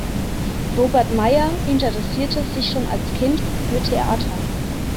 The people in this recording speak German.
Robert Meyer interessierte sich schon als Kind für Theater.